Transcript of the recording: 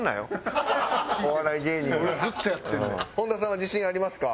本田さんは自信ありますか？